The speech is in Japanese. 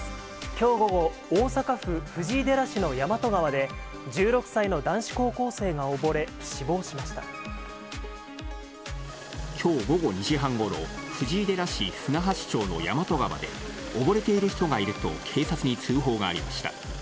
きょう午後、大阪府藤井寺市の大和川で、１６歳の男子高校生が溺れ、きょう午後２時半ごろ、藤井寺市ふなはし町の大和川で、溺れている人がいると警察に通報がありました。